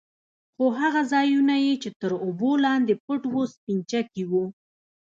خو هغه ځايونه يې چې تر اوبو لاندې پټ وو سپينچکي وو.